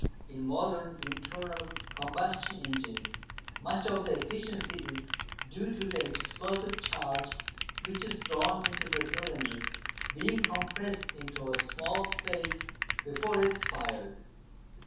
In modern internal combustion engines much of the efficiency is due to the explosive charge which is drawn into the cylinder being compressed into a small space before it is fired.